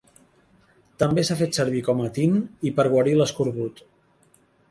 També s'ha fet servir com a tint i per guarir l'escorbut.